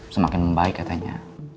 semakin membaik katanya